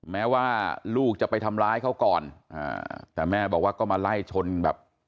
แม้ว่าลูกจะไปทำร้ายเขาก่อนอ่าแต่แม่บอกว่าก็มาไล่ชนแบบ